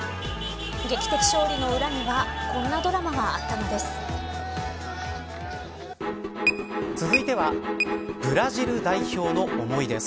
劇的勝利の裏にはこんなドラマがあったのです。